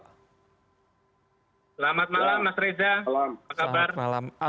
selamat malam mas reza apa kabar